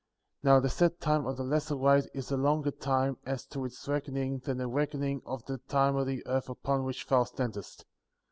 * 7. Now the set time of the lesser light is a longer time as to its reckoning than the reckoning of the time of the earth upon which thou standest.